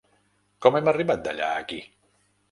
Com hem arribat d’allà a aquí?